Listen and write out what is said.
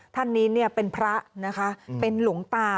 ท่านนี้เนี่ยเป็นพระนะคะเป็นหลวงตา